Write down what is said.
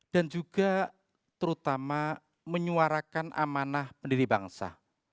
juga terutama menyuarakan amanah pendiri bangsa